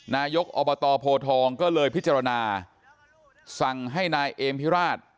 นายกอบตโพทองก็เลยพิจารณาสั่งให้นายเอมพิราช